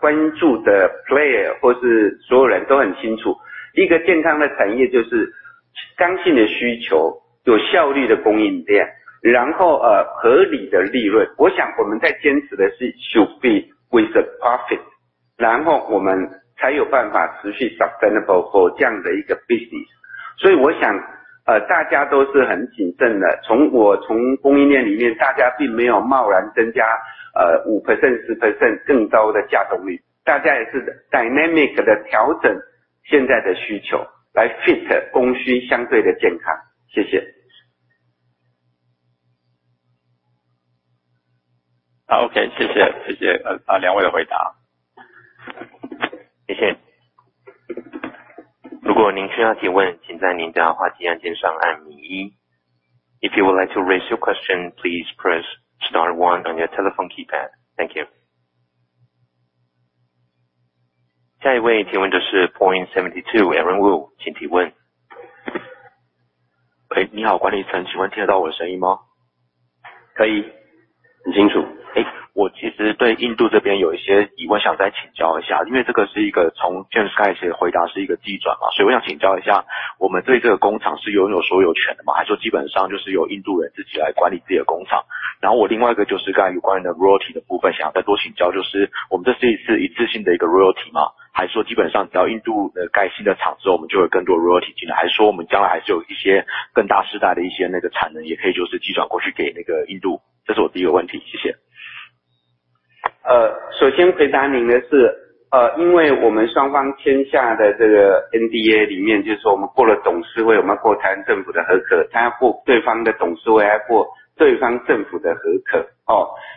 关注的 player 或是所有人都很清 楚， 一个健康的产业就是刚性的需 求， 有效率的供应 量， 然后合理的利润。我想我们在坚持的是 should be with a profit， 然后我们才有办法持续 sustainable for 这样的一个 business。我想大家都是很谨慎 的， 从我从供应链里 面， 大家并没有贸然增加 5%、10% 更高的价动 率， 大家也是 dynamic 地调整现在的需 求， 来 fit 供需相对的健康。谢谢。OK， 谢 谢， 两位的回答。谢谢。如果您需要提 问， 请在您的话机按键上按民一。If you would like to raise your question, please press star one on your telephone keypad. Thank you. 下一位提问的是 Point72 Aaron Wu， 请提问。喂， 你 好， 管理 层， 请问听得到我的声音 吗？ 可 以. 很清 楚. 我其实对印度这边有一些疑问想再请教一 下， 因为这个是一个从 James 开始回 答， 是一个技转嘛。我想请教一 下， 我们对这个工厂是拥有所有权的 吗？ 还是说基本上就是由印度人自己来管理自己的工 厂？ 然后我另外一个就是刚才有关 royalty 的部分想要再多请 教， 就是我们这次一次性的一个 royalty 嘛？ 还是说基本上只要印度的盖新的厂之 后， 我们就会更多 royalty 进 来？ 还是说我们将来还是有一些更大世代的一些那个产 能， 也可以就是技转过去给那个印 度？ 这是我第一个问题。谢谢。首先回答您的 是， 因为我们双方签下的这个 NDA 里 面， 就是说我们过了董事 会， 我们要过台湾政府的核 可， 他要过对方的董事 会， 还要过对方政府的核可。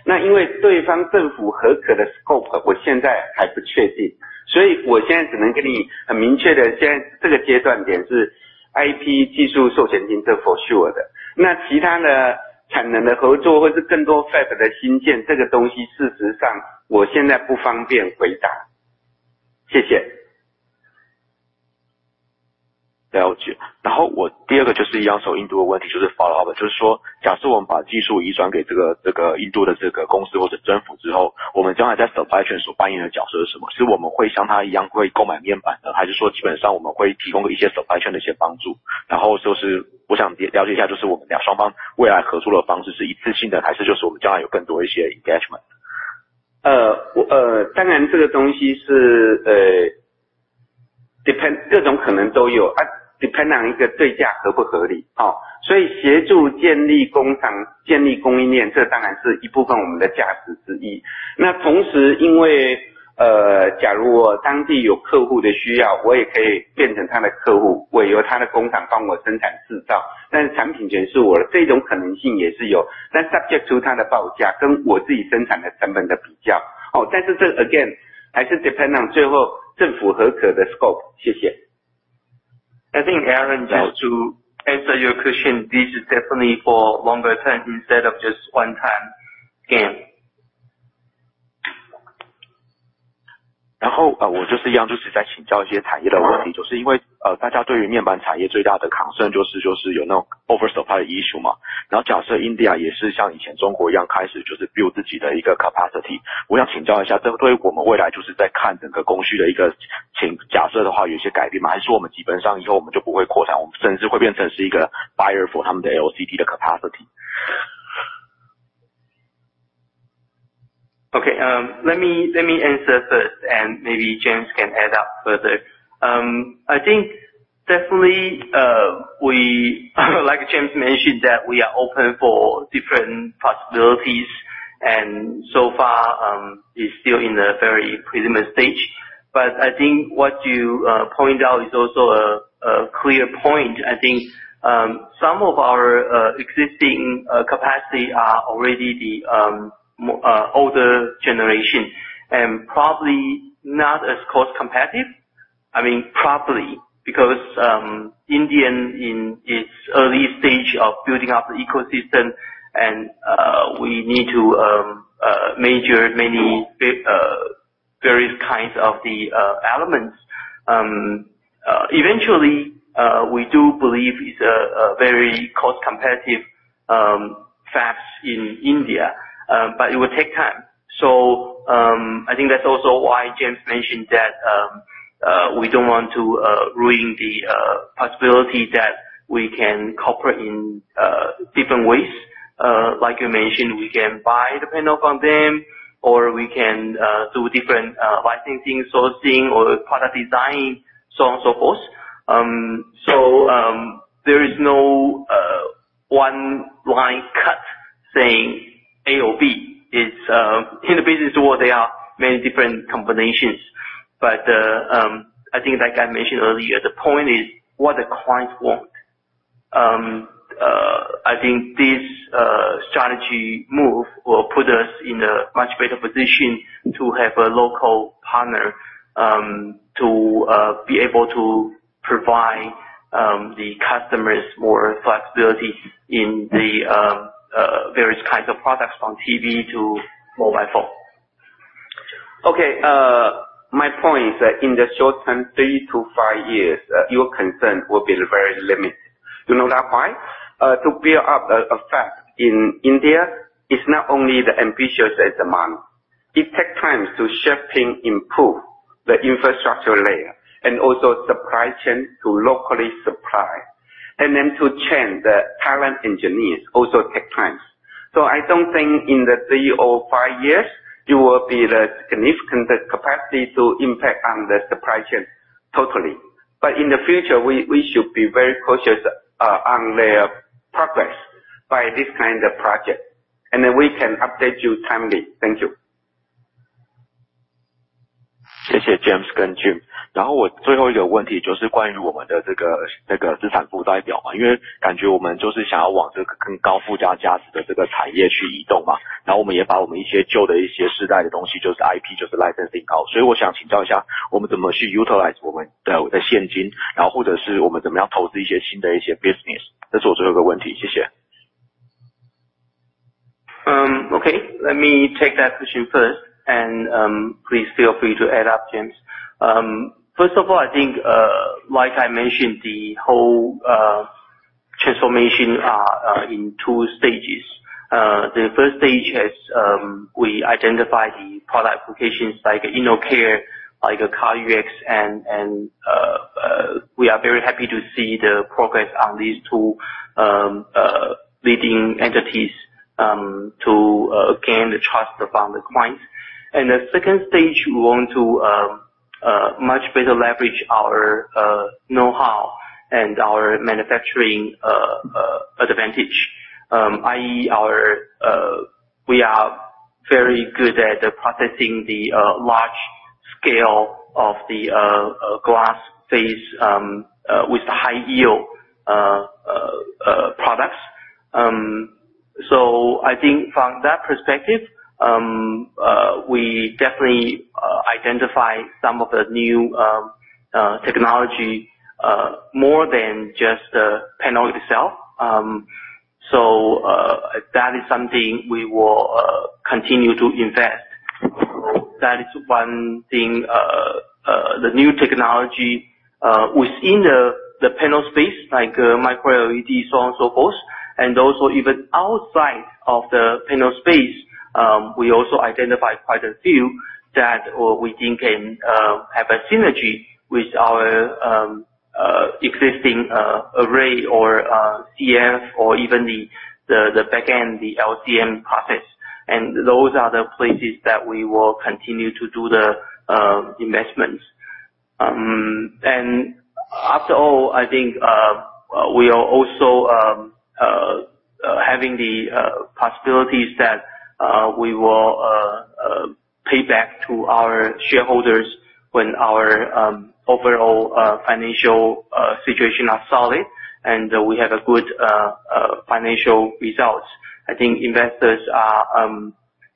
那因为对方政府核可的 scope， 我现在还不确 定， 所以我现在只能给你很明确 的， 现在这个阶段点是 IP 技术授权金这 for sure 的， 那其他的产能的合作或是更多 fab 的新 建， 这个东西事实上我现在不方便回答。谢谢。了解。然后我第二个就是一样说印度的问 题， 就是 follow up， 就是说假设我们把技术移转给这 个， 这个印度的这个公司或者政府之 后， 我们将来在 supply chain 所扮演的角色是什 么？ 是我们会像他一样会购买面板 的， 还是说基本上我们会提供一些 supply chain 的一些帮 助？ 然后就是我想了解一 下， 就是我们两双方未来合作的方式是一次性 的， 还是就是我们将来有更多一些 engagement。当然这个东西是 depend， 各种可能都 有， depend on 一个对价合不合 理. 协助建立工厂、建立供应 链， 这当然是一部分我们的价值之 一. 同时因为假如我当地有客户的需 要， 我也可以变成他的客 户， 委由他的工厂帮我生产制 造， 但是产品权是 我， 这种可能性也是 有. subject to 他的报价跟我自己生产的成本的比 较. 这 again， 还是 depend on 最后政府核可的 scope. 谢 谢. I think Aaron, just to answer your question, this is definitely for longer term instead of just one time gain. 我就是一 样， 就是再请教一些产业的问 题， 就是因 为， 大家对于面板产业最大的 concern 就 是， 就是有那种 oversupply issue. 假设 India 也是像以前 China 一样开 始， 就是 build 自己的一个 capacity， 我想请教一 下， 这对于我们未来就是在看整个供需的一个假设的话有一些改变 吗？ 还是说我们基本上以后我们就不会扩 张， 我们甚至会变成是一个 buyer for 他们的 LCD 的 capacity？ Okay. Let me answer first. Maybe James can add up further. I think definitely, we like James mentioned, that we are open for different possibilities and so far, it's still in the very preliminary stage. I think what you point out is also a clear point. I think some of our existing capacity are already the older generation, and probably not as cost competitive. I mean, probably, because India in its early stage of building up the ecosystem and we need to measure many various kinds of the elements. Eventually, we do believe it's a very cost competitive facts in India, but it will take time. I think that's also why James mentioned that we don't want to ruin the possibility that we can cooperate in different ways. Like you mentioned, we can buy the panel from them or we can do different licensing, sourcing or product design, so on and so forth. There is no one line cut saying A or B. It's in the business world, there are many different combinations. I think like I mentioned earlier, the point is what the clients want. I think this strategy move will put us in a much better position to have a local partner to be able to provide the customers more flexibility in the various kinds of products from TV to mobile phone. Okay. My point is that in the short term, three to five years, your concern will be very limited. You know that why? To build up a fact in India is not only the ambitious demand. It takes time to shifting improve the infrastructure layer and also supply chain to locally supply. To train the talent engineers also take times. I don't think in the three or five years, you will be the significant capacity to impact on the supply chain totally. In the future, we should be very cautious on their progress by this kind of project, we can update you timely. Thank you. James and Jim. Okay. Let me take that question first and please feel free to add up, James. First of all, I think, like I mentioned, the whole transformation in 2 stages. The first stage is we identify the product applications like InnoCare, like CarUX, we are very happy to see the progress on these two leading entities to gain the trust from the clients. The second stage we want to much better leverage our know-how and our manufacturing advantage, i.e. our, we are very good at processing the large scale of the glass phase with high yield products. I think from that perspective, we definitely identify some of the new technology, more than just the panel itself. That is something we will continue to invest. That is one thing, the new technology within the panel space like micro LED, so on and so forth, and also even outside of the panel space. We also identify quite a few that we think can have a synergy with our existing array or CF or even the back end, the LCM process. Those are the places that we will continue to do the investments. After all, I think we are also having the possibilities that we will pay back to our shareholders when our overall financial situation are solid and we have a good financial results. I think investors are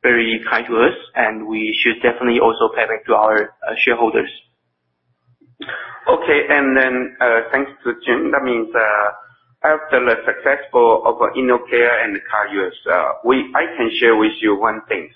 very kind to us, and we should definitely also pay back to our shareholders. Okay. Thanks to Jim, that means after the successful of InnoCare and CarUX, I can share with you one thing.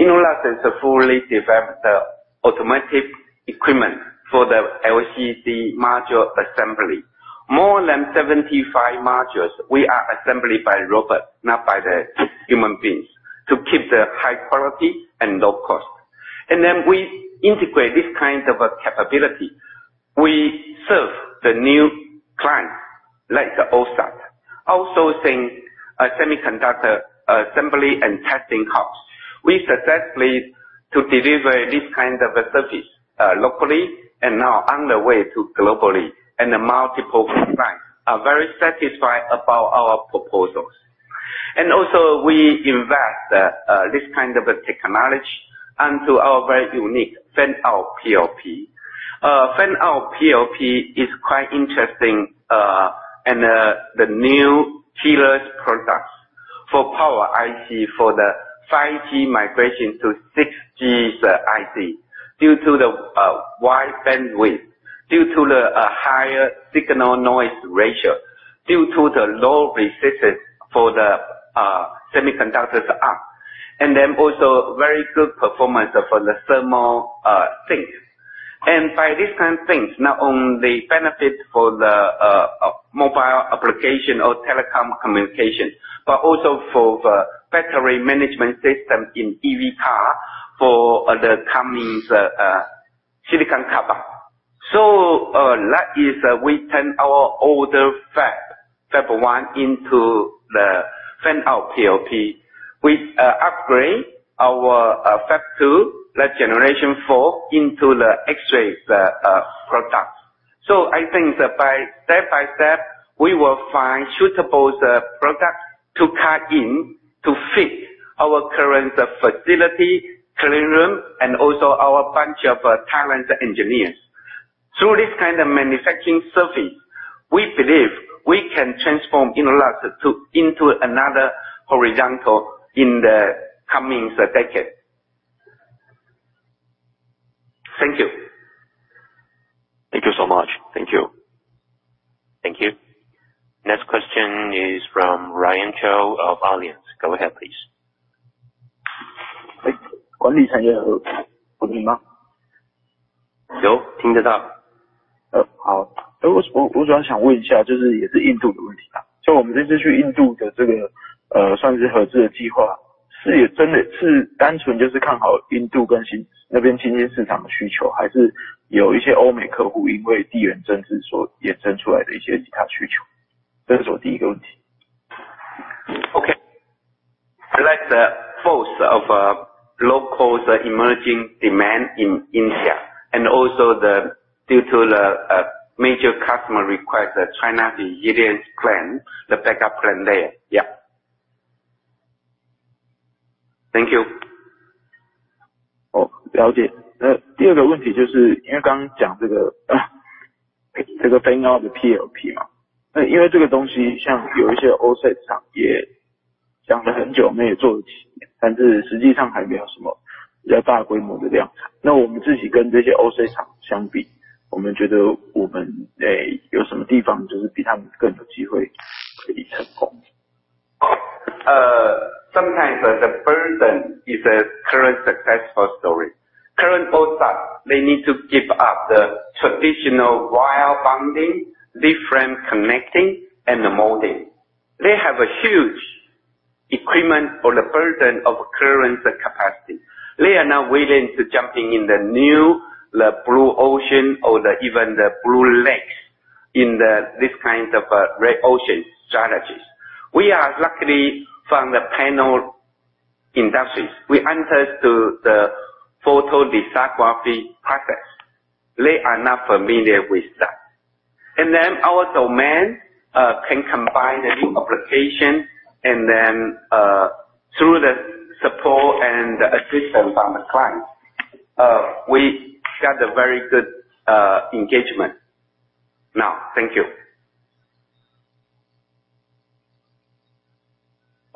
Enolight has fully developed the automatic equipment for the LED module assembly. More than 75 modules, we are assembly by robot, not by the human beings, to keep the high quality and low cost. We integrate this kind of a capability. We serve the new-Like OSAT, also saying semiconductor assembly and testing house. We successfully to deliver this kind of a service locally and now on the way to globally, and the multiple clients are very satisfied about our proposals. Also we invest this kind of a technology onto our very unique Fan-Out Panel-Level Packaging. Fan-Out Panel-Level Packaging is quite interesting, the new killers products for power IC for the 5G migration to 6G IC, due to the wide bandwidth, due to the higher signal noise ratio, due to the low resistance for the semiconductors arc, and then also very good performance for the thermal sinks. by these kind of things, not only benefit for the mobile application or telecom communication, but also for the battery management system in EV car for the coming silicon. last year we turn our older fab one into the Fan-Out Panel-Level Packaging. We upgrade our Gen 4 fab two into the X-ray product. I think that by step by step we will find suitable products to cut in to fit our current facility, cleanroom, and also our bunch of talent engineers. Through this kind of manufacturing service, we believe we can transform Innolux into another horizontal in the coming decade. Thank you. Thank you so much. Thank you. Thank you. Next question is from Ryan Chou of Alliance. Go ahead please. Okay. I like the force of locals emerging demand in India and also due to the major customer request that China resilience plan, the backup plan there. Yeah. Thank you. Thank you. Sometimes the burden is a current successful story. Current OSAT, they need to give up the traditional wire bonding, different connecting and the molding. They have a huge equipment for the burden of current capacity. They are now willing to jumping in the new, the blue ocean or the even the blue lake these kinds of red ocean strategies. We are luckily from the panel industries, we entered to the photolithography process. They are now familiar with that. Our domain can combine the new application through the support and assistance from the clients, we got a very good engagement now. Thank you.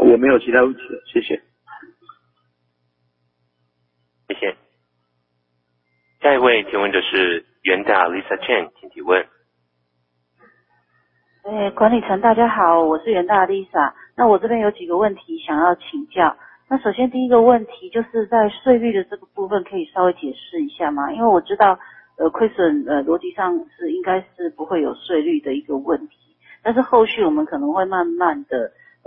Thank you. 这个部分有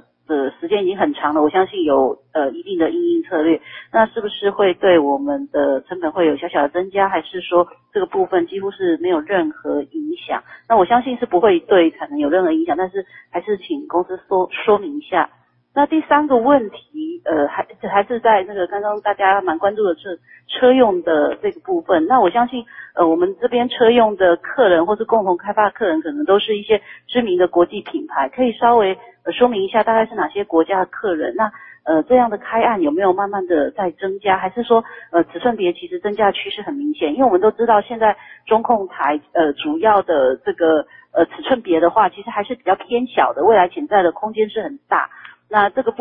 没有看到这样的一个趋 势， 那在什么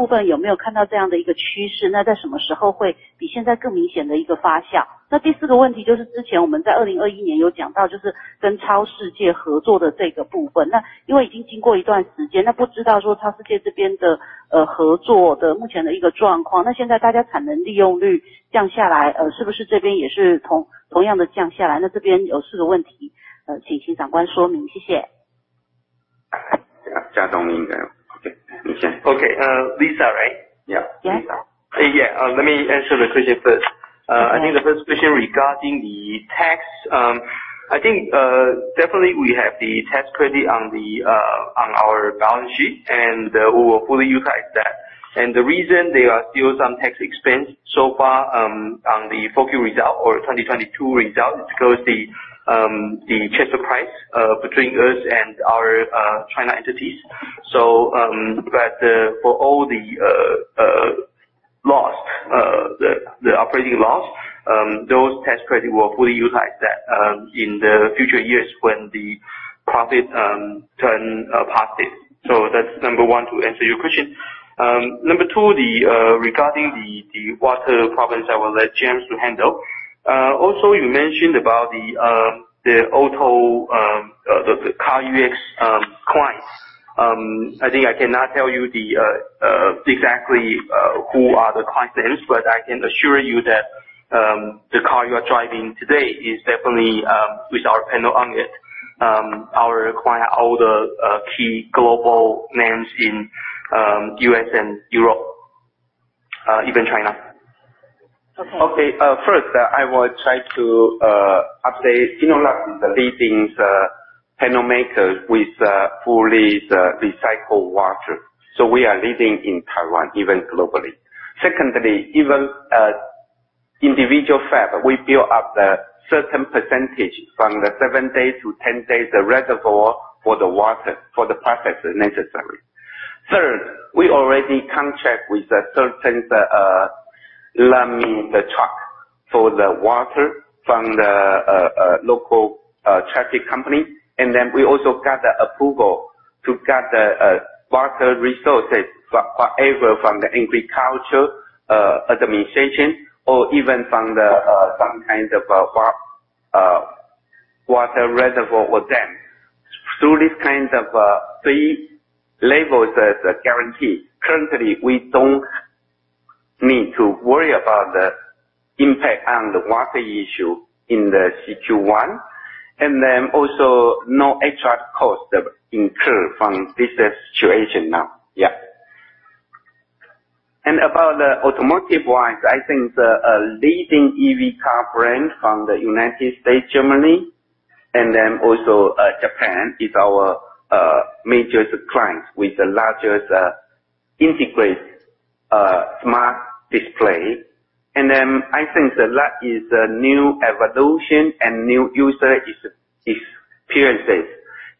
时候会比现在更明显的一个发 酵？ 第4个问题就是之前我们在2021年有讲 到， 就是跟超世界合作的这个部 分， 那因为已经经过一段时 间， 那不知道说超世界这边的合作的目前的一个状 况， 那现在大家产能利用率降下 来， 是不是这边也是同样的降下 来？ 这边有4个问 题， 请秦长官说 明， 谢谢。Okay. Lisa, right? Yeah. Yes。Yeah, let me answer the question first. I think the first question regarding the tax, I think definitely we have the tax credit on the on our balance sheet, and we will fully utilize that. The reason there are still some tax expense so far, on the fourth Q result or 2022 result is because the transfer price between us and our China entities. For all the loss, the operating loss, those tax credit will fully utilize that in the future years when the profit turn positive. That's number one to answer your question. Number two, regarding the water problems, I will let James to handle. Also you mentioned about the auto, the CarUX clients. I think I cannot tell you the exactly who are the clients names, but I can assure you that the car you are driving today is definitely with our panel on it. Our client, all the key global names in U.S. and Europe, even China. Okay. First, I will try to update Innolux is the leading panel makers with fully recycled water. We are leading in Taiwan, even globally. Secondly, even individual fab, we build up the certain percentage from the 7 days-10 days the reservoir for the water, for the process necessary. Third, we already contract with the certain truck for the water from the local trucking company. We also got the approval to get the water resources from the agriculture administration or even from the some kind of water reservoir or dam. Through these kinds of three levels as a guarantee. Currently, we don't need to worry about the impact on the water issue in the situ one. Also no extra cost incur from this situation now. Yeah. About the automotive wise, I think the leading EV car brand from the United States, Germany, also Japan is our major clients with the largest integrated smart display. I think the last is a new evolution and new user is experiences.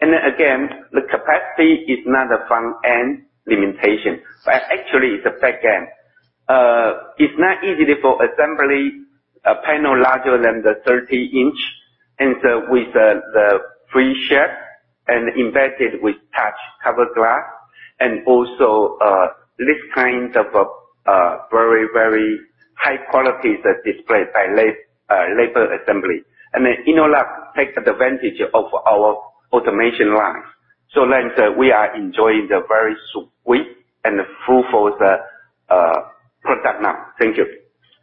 Again, the capacity is not the front end limitation, but actually it's the back end. It's not easy for assembly a panel larger than the 30 inch. And with the Free Shape and embedded with touch cover glass and also this kind of very, very high quality that displayed by labor assembly. Innolux takes advantage of our automation lines. Like we are enjoying the very sweet and fruitful the product now. Thank you.